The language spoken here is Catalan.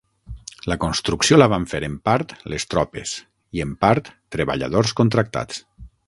La construcció la van fer en part les tropes i en part treballadors contractats.